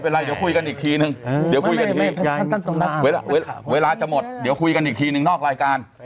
เดี๋ยวคุยกันทีเวลาจะหมดเดี๋ยวคุยกันอีกทีนึงนอกรายการ